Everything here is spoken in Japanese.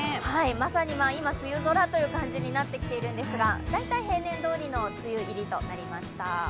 まさに今、梅雨空という感じになってきているんですが大体平年どおりの梅雨入りとなりました。